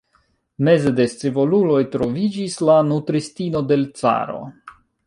Meze de scivoluloj troviĝis la nutristino de l' caro.